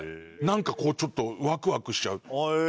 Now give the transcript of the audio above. なんかこうちょっとワクワクしちゃう。